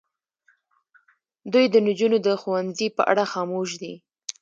دوی د نجونو د ښوونځي په اړه خاموش دي.